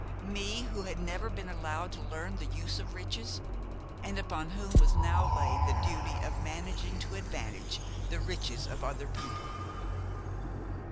me, who had never been allowed to learn the use of riches, and upon whom was now laid the duty of managing to advantage the riches of other people!